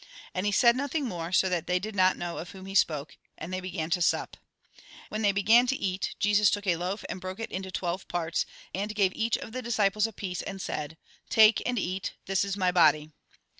And he said nothing more, so that they did not know of whom he spoke, and they began to sup. When they began to eat, Jesus took a loaf and broke it into twelve parts, and gave each of the disciples a piece, and said :" Take and eat, this is my body."